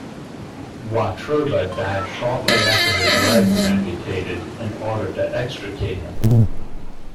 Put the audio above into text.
Watroba died shortly after his leg was amputated in order to extricate him.